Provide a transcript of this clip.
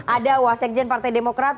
ada wasikjen partai demokrat